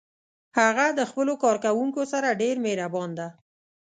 هغه د خپلو کارکوونکو سره ډیر مهربان ده